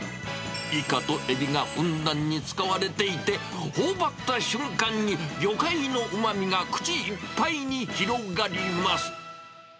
いかとえびがふんだんに使われていて、ほおばった瞬間に、魚介のうまみが口いっぱいに広がります。